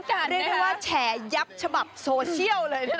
เรียกได้ว่าแฉยับฉบับโซเชียลเลยนะ